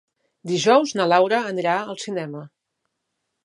Dijous na Laura anirà al cinema.